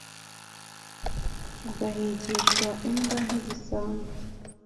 Ugahigishwa imbwa nk’igisambo